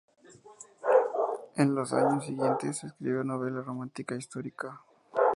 En los años siguientes escribió novela romántica histórica.